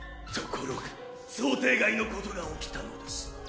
ところが想定外のことが起きたのです。